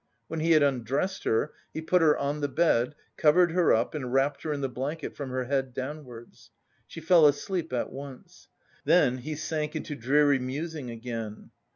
When he had undressed her, he put her on the bed, covered her up and wrapped her in the blanket from her head downwards. She fell asleep at once. Then he sank into dreary musing again.